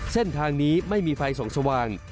เส้นทางนี้ไม่มีไฟส่องสว่าง